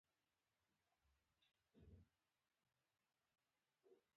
که شکستګي ولرې، نو التهابي کیدل يې ښه نه دي.